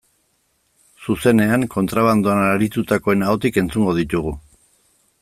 Zuzenean, kontrabandoan aritutakoen ahotik entzungo ditugu.